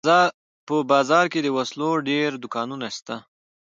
په بازار کښې د وسلو ډېر دوکانونه سته.